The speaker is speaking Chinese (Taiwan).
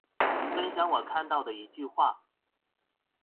分享我看到的一句話